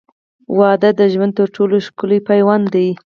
• واده د ژوند تر ټولو ښکلی پیوند دی.